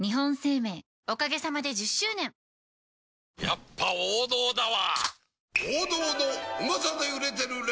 やっぱ王道だわプシュ！